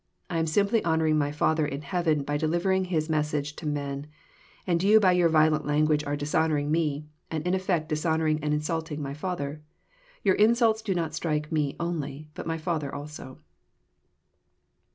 I am simply honouring My Father in heaven by delivering His mes sage to man, and you by your violent language are dishonouring Me, and in effect dishonouring and insulting my Father. Your insults do not strike Me only, but my Father also."